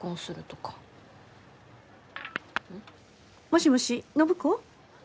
もしもし暢子？